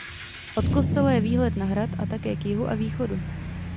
Od kostela je výhled na hrad a také k jihu a východu.